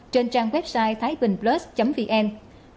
trên trang website tháibìnhplus vn cơ quan chức năng vẫn chưa tìm ra nguyên nhân